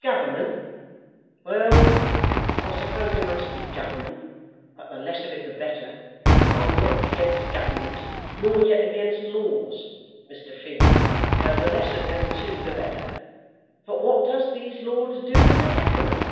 "Government! Well; I suppose there must be government. But the less of it the better. I'm not against government; nor yet against laws, Mr. Finn; though the less of them, too, the better. But what does these lords do in the Government?